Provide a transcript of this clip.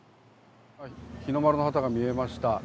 日の丸の旗が見えました。